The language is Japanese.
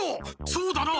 そうだな！